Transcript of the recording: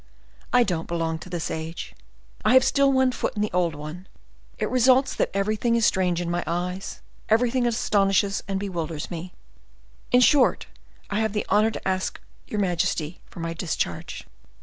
I don't belong to this age; I have still one foot in the old one; it results that everything is strange in my eyes, everything astonishes and bewilders me. In short, I have the honor to ask your majesty for my discharge."